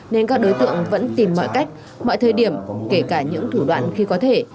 nên các đối tượng vẫn tìm mọi cách mọi thời điểm kể cả những thủ đoạn khi có thể